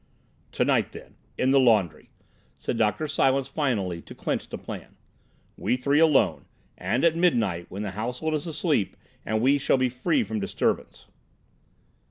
"Tonight, then, in the laundry," said Dr. Silence finally, to clinch the plan; "we three alone—and at midnight, when the household is asleep and we shall be free from disturbance."